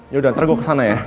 yaudah ntar gua kesana ya